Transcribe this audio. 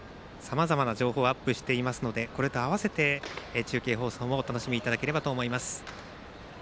さまざまな情報をアップしていますのでこれとあわせて中継放送もお楽しみいただければと思います。